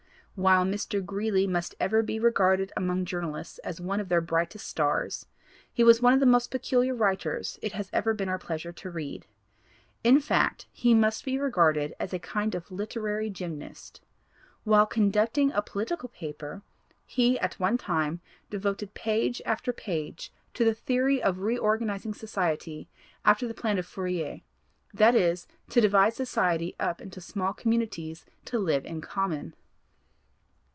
While Mr. Greeley must ever be regarded among journalists as one of their brightest stars; he was one of the most peculiar writers it has ever been our pleasure to read. In fact he must be regarded as a kind of literary gymnast. While conducting a political paper he at one time devoted page after page to the theory of reorganizing society after the plan of Fourier; that is to divide society up into small communities to live in common.